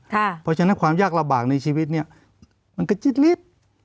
เพราะฉะนั้นความยากลำบากในชีวิตเนี่ยมันกระจิ๊ดลิด